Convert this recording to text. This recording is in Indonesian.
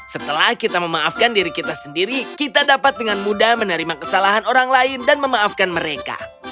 setelah kita memaafkan diri kita sendiri kita dapat dengan mudah menerima kesalahan orang lain dan memaafkan mereka